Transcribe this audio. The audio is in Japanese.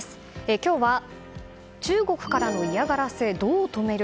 今日は中国からの嫌がらせどう止める？